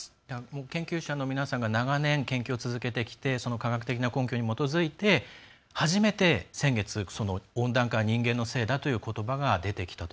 研究者の皆さんが長年研究を続けてきてその科学的な根拠に基づいて初めて先月温暖化は人間のせいだということばが出てきたと。